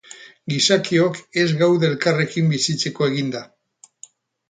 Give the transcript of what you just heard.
Gizakiok ez gaude elkarrekin bizitzeko eginda.